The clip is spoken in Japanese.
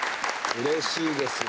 うれしいですね。